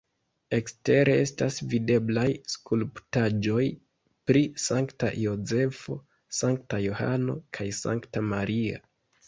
Ekstere estas videblaj skulptaĵoj pri Sankta Jozefo, Sankta Johano kaj Sankta Maria.